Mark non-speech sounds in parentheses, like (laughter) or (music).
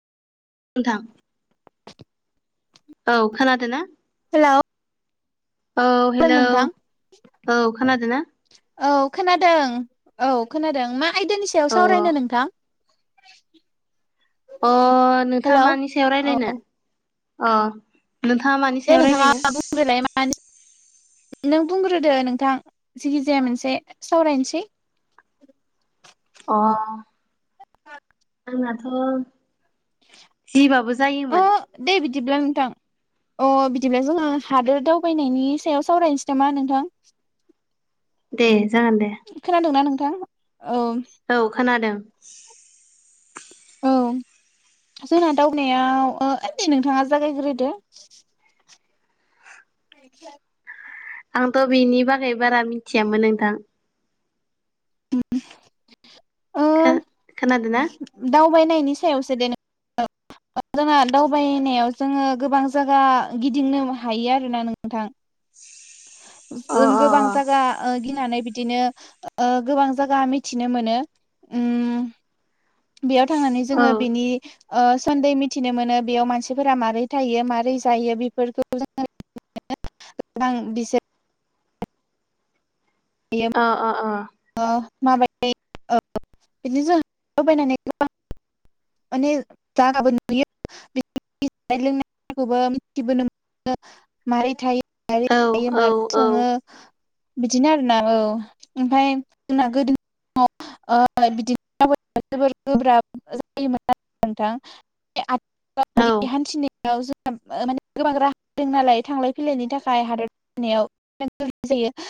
नोंथां औ खोनादों ना? हेलौ औ हेलौ नोंथां औ खोनादों ना औ खोनादों। औ खोनादों मा आयदानि सायाव औ सावरायनो नोंथां अ नोंथाङा हेलौ मानि सायाव रायलायनो औ अ नोंथाङा मानि दे सायाव रायलायनो नोंथाङा बुंग्रोलाय (inaudible) नों बुंग्रोदो नोंथां जिखिजाया मोनसे सावरायनोसै अ आंनाथ' जिबाबो जायोमोन। जबलांनोथां अ बिदिनो जोङो हादोर दावबायनायनि सायाव सावरायनोसै नामा नोंथां? दे जागोन दे द औ खोनादों। औ (inaudible) जोंना दावनायाव नोंथाङा जागायग्रोदो। आ आंथ' बेनि बागै बारा मिथियामोन नोंथां। खोनादोंनाा फायनायनि सायावसो दनो दाना दावबायनायाव जोङो गोबां जायगा गिदिंनो हायो आरोना नोंथां। (inaudible) अ अ गोबां अ जायगा ओ गिनानै बि नो गोबां जायगा मिथिनो मोनो उम बेयाव थांनानै औ जोङो बेनि ओ सोदै मिथिनो मोनो बेयाव मानसिफोरा माबारै थायो मारै जायो बेफोरखौ जोङो (unintelligible) गोबां बि अ अ अ ओ (unintelligible) माने (unintelligible) लोंनाय (unintelligible) मारै थायो मारोरै औ जायो औ मारोरै सङो औ बिदिनो आरोना औ ओमफाय जोंना गोदो (unintelligible) ओ (unintelligible) नोंथां औ हान्थिनायाव (unintelligible) (unintelligible)